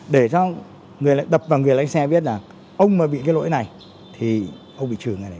để cho đập vào người lái xe biết là ông mà bị cái lỗi này thì ông bị trừ cái này